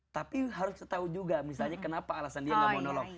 tapi harus kita tahu juga misalnya kenapa alasan dia gak mau menolong